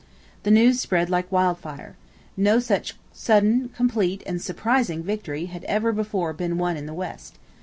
The news spread like wildfire. No such sudden, complete, and surprising victory had ever before been won in the West.